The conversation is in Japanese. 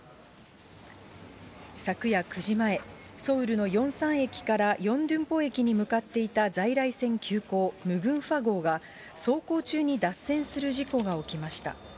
昨夜９時前、ソウルのヨンサン駅からヨンドゥンポ駅に向かっていた在来線急行ムグンファ号が、走行中に脱線する事故が起きました。